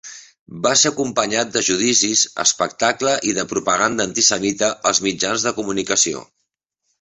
Va ser acompanyat de judicis espectacle i de propaganda antisemita als mitjans de comunicació.